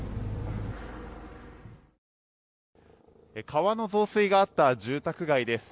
川の増水があった住宅街です。